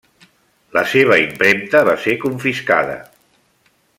La seva impremta va ser confiscada.